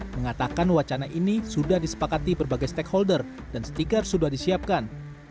mengatakan wacana ini sudah disepakati berbagai stakeholder dan stiker sudah disiapkan